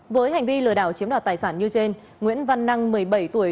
với hành vi lừa đảo chiếm đoạt tài sản như trên nguyễn văn năng một mươi bảy tuổi